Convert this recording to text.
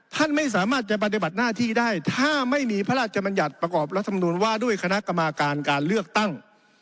ท่านไม่สามารถจะปฏิบัติหน้าที่ได้ถ้าไม่มีพระราชมัญญัติประกอบรัฐมนุนว่าด้วยคณะกรรมการการเลือกตั้ง